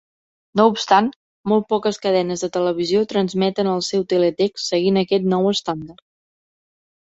No obstant, molt poques cadenes de televisió transmeten el seu teletext seguint aquest nou estàndard.